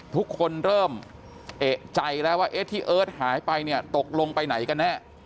ทุกคนเริ่มเอกใจแล้วว่าเอ๊ะที่เอิร์ทหายไปเนี่ยตกลงไปไหนกันแน่